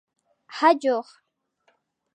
Նրա մեջքը արտացոլվում է մյուս ներփքված հայելու մեջ։